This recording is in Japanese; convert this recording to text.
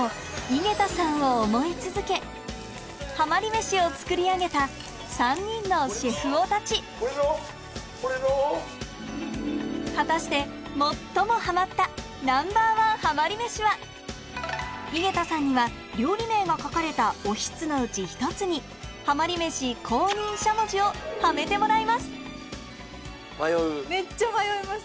井桁さんを思い続けハマり飯を作り上げた３人のシェフ男たち果たして最もハマったＮｏ．１ハマり飯は井桁さんには料理名が書かれたおひつのうち１つにハマり飯公認しゃもじをハメてもらいます迷う？